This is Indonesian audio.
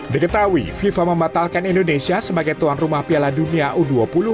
diketahui fifa membatalkan indonesia sebagai tuan rumah piala dunia u dua puluh